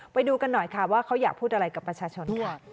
ไปดูกันหน่อยค่ะว่าเขาอยากพูดอะไรกับประชาชนค่ะ